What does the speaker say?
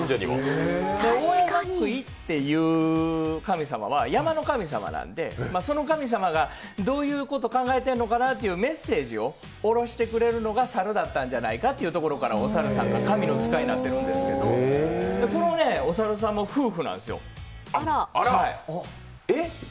オオヤマクイという神様は山の神様なので、その神様がどういうことを考えているのかなというメッセージをおろしてくれるのが猿だったんじゃないかというところからお猿さんが神の使いになってるんですけど、このお猿さんも夫婦なんですよ。